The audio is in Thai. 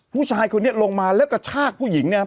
ผู้ชายคนนี้ลงมาแล้วกระชากผู้หญิงเนี่ย